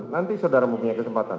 nanti saudara mau punya kesempatan